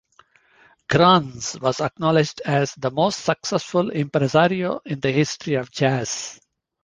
Granz was acknowledged as "the most successful impresario in the history of jazz".